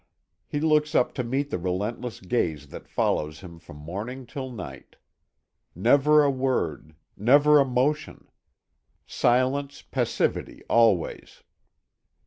He looks up to meet the relentless gaze that follows him from morning till night. Never a word, never a motion. Silence, passivity always.